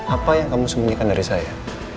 apa yang kamu sembunyikan dari saya